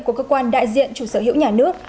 của cơ quan đại diện chủ sở hữu nhà nước